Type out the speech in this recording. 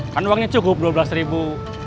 kan uangnya cukup dua belas ribu